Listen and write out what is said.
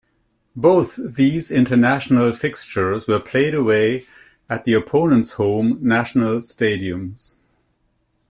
Both these International fixtures were played away at the opponents' home national stadiums.